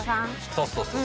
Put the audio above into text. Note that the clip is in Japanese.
そうそうそうそう。